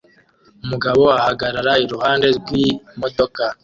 Umugabo ahagarara iruhande rw'imodoka